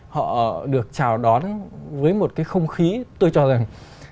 họ được chào đón với một cái không khí tôi cho rằng